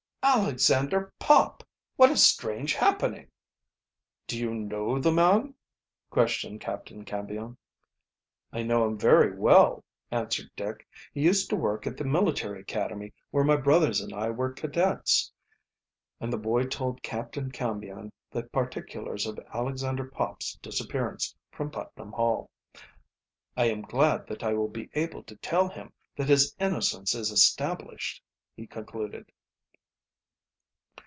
"Alexander Pop! What a strange happening!" "Do you know the man?" questioned Captain Cambion. "I know him very well," answered Dick. "He used to work at the military academy where my brothers and I were cadets." And the boy told Captain Cambion the particulars of Alexander Pop's disappearance from Putnam Hall. "I am glad that I will be able to tell him that his innocence is established," he concluded.